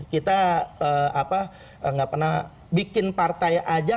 kita nggak pernah bikin partai aja